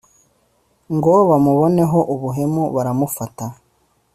Ngo bamuboneho ubuhemu baramufata